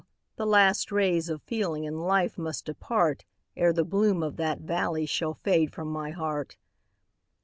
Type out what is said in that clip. the last rays of feeling and life must depart, Ere the bloom of that valley shall fade from my heart.